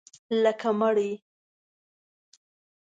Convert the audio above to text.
لکه مړی